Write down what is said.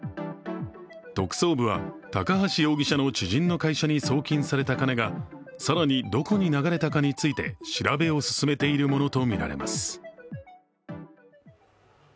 特捜部は高橋容疑者の知人の会社に送金された金が更にどこに流れたかについて調べを進めているものとみられます。